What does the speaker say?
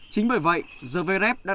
chính bởi vậy zverev đã đánh đơn